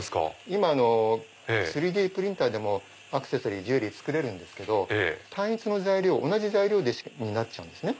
今の３Ｄプリンターでもアクセサリージュエリー作れるんですけど単一の材料同じ材料になっちゃうんですね。